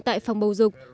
tại phòng bầu dục